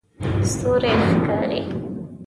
ستوری ښکاري